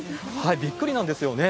びっくりなんですよね。